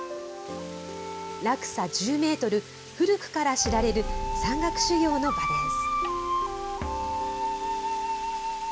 落差１０メートル、古くから知られる山岳修行の場です。